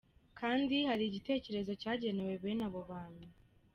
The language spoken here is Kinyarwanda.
Kandi hari igitekerezo cyagenewe bene abo bantu.